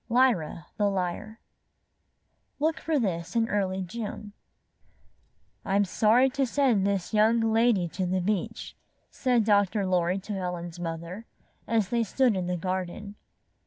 LYRA, THE LYRE Look for this in early June "I'm sorry to send this young lady to the beach," said Dr. Lorry to Helen's mother, as they stood in the garden.